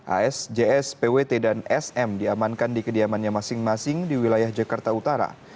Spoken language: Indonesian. as js pwt dan sm diamankan di kediamannya masing masing di wilayah jakarta utara